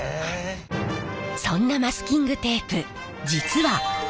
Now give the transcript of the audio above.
そんなマスキングテープ実はジャジャン！